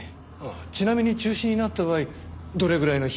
ちなみに中止になった場合どれぐらいの費用が？